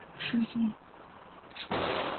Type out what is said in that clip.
托普夫斯特是德国图林根州的一个市镇。